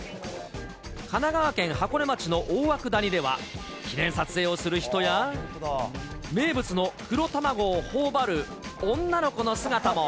神奈川県箱根町の大涌谷では、記念撮影をする人や、名物の黒たまごをほおばる女の子の姿も。